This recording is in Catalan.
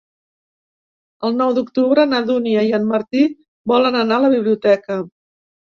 El nou d'octubre na Dúnia i en Martí volen anar a la biblioteca.